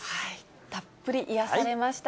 たっぷり癒やされました。